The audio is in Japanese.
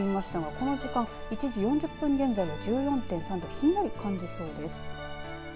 この時間１時４０分現在１４．３度ひんやり感じそうです。